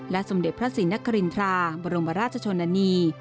สมเด็จพระศรีนครินทราบรมราชชนนานี